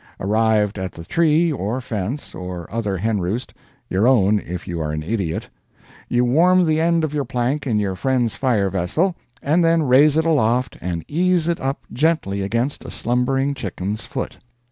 Arrived at the tree, or fence, or other henroost (your own if you are an idiot), you warm the end of your plank in your friend's fire vessel, and then raise it aloft and ease it up gently against a slumbering chicken's foot.